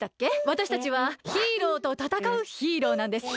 わたしたちはヒーローとたたかうヒーローなんです。